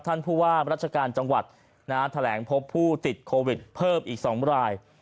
ท่านผู้ว่าราชการจังหวัดแถลงพบผู้ติดโควิดเพิ่มอีก๒ราย